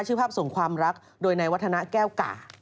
ชื่อภาพส่งความรักโดยในวัฒนะแก้วก่า